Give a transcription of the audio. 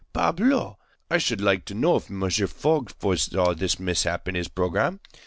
Parbleu! I should like to know if Mr. Fogg foresaw this mishap in his programme!